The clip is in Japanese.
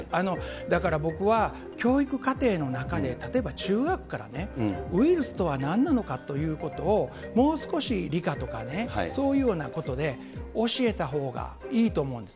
だから僕は、教育課程の中で、例えば中学からね、ウイルスとは何なのかということを、もう少し理科とかね、そういうようなことで教えたほうがいいと思うんです。